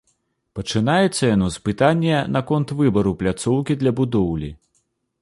Пачынаецца яно з пытання наконт выбару пляцоўкі для будоўлі.